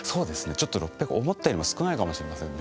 ちょっと６００思ったよりも少ないかもしれませんね。